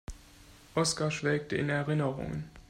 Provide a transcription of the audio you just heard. Oskar schwelgte in Erinnerungen.